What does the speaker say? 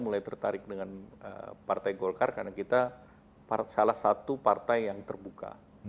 mulai tertarik dengan partai golkar karena kita salah satu partai yang terbuka